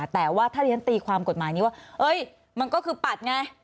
แต่ว่าถ้าเรียนตีความกฎหมายนี้ว่ามันก็คือปัดไง